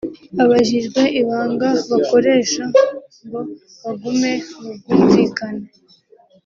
Abajijwe ibanga bakoresha ngo bagume mu bwumvikane